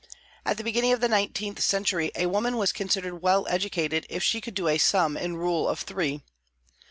At the beginning of the nineteenth century a woman was considered well educated if she could do a sum in rule of three.